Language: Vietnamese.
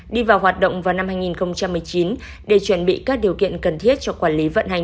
đi vào hoạt động vào năm hai nghìn một mươi chín để chuẩn bị các điều kiện cần thiết cho quản lý vận hành